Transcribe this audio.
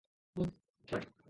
二階建て